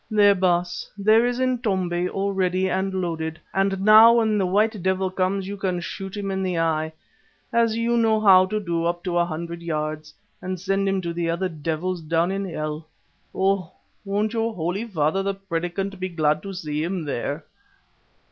There, Baas, there is Intombi all ready and loaded. And now when the white devil comes you can shoot him in the eye, as you know how to do up to a hundred yards, and send him to the other devils down in hell. Oh! won't your holy father the Predikant be glad to see him there."